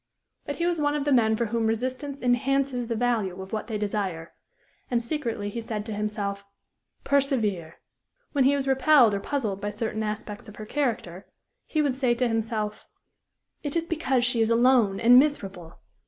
But he was one of the men for whom resistance enhances the value of what they desire, and secretly he said to himself, "Persevere!" When he was repelled or puzzled by certain aspects of her character, he would say to himself: "It is because she is alone and miserable.